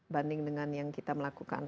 banding dengan yang kita lakukan